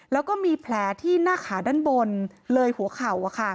แล้วก็มีแผลที่หน้าขาด้านบนเลยหัวเข่า